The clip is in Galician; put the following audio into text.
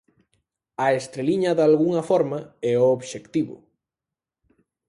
A estreliña dalgunha forma é o obxectivo.